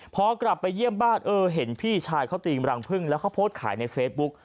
พอกลับไปเยี่ยมบ้านเออเห็นพี่ชายเขาตีมรังพึ่งแล้วเขาโพสต์ขายในเฟซบุ๊ก